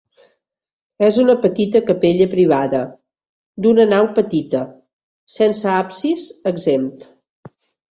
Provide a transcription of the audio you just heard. És una petita capella privada, d'una nau petita, sense absis exempt.